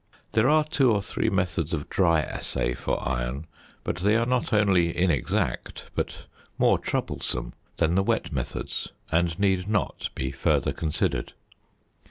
There are two or three methods of dry assay for iron, but they are not only inexact, but more troublesome than the wet methods, and need not be further considered.